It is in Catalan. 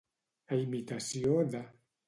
A imitació de.